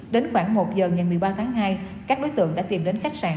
đến khoảng một giờ ngày một mươi ba tháng hai các đối tượng đã tìm đến khách sạn